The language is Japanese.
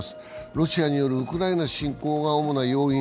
ロシアによるウクライナ侵攻が主な要因。